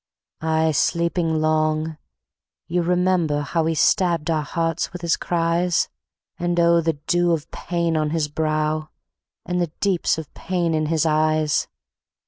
Aye, sleeping long. ... You remember how He stabbed our hearts with his cries? And oh, the dew of pain on his brow, And the deeps of pain in his eyes!